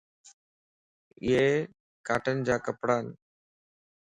يي ڪاٽن جا ڪپڙان